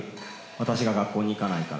私が学校に行かないから。